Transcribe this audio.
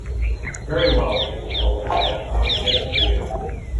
"Very well," answered the little man; "I will get it for you."